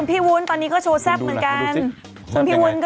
คุณพี่วุ้นตอนนี้ก็โชว์แซ่บเหมือนกันทำไมเป็นแง่